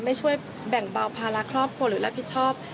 ไม่ช่วยแบ่งเบาภาระครอบครัวหรือรับผิดชอบ